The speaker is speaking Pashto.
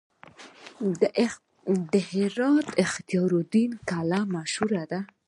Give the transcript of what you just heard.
د هرات اختیار الدین کلا مشهوره ده